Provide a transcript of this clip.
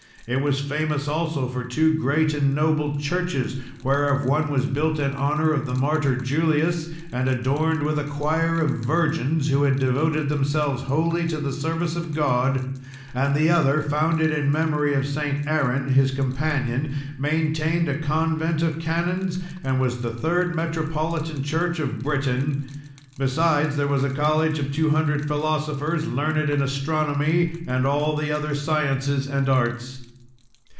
It was famous also for two great and noble churches, whereof one was built in honour of the martyr Julius, and adorned with a choir of virgins who had devoted themselves wholly to the service of God; and the other, founded in memory of St. Aaron, his companion, maintained a convent of canons, and was the third metropolitan church of Britain. Besides, there was a college of two hundred philosophers, learned in astronomy, and all the other sciences and arts.